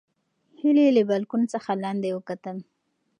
هیلې له بالکن څخه لاندې وکتل.